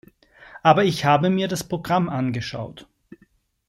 Aber ich habe mir das Programm angeschaut.